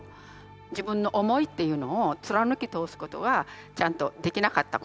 自分の思いっていうのを貫き通すことがちゃんとできなかったこと。